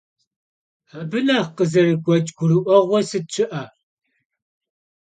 Abı nexh khızerıgueç' gurı'ueğue sıt şı'e?